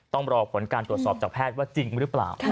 ต้องรอผลการตรวจสอบจากแพทย์ว่าจริงหรือเปล่า